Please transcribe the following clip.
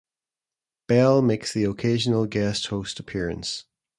Bell makes the occasional guest host appearance.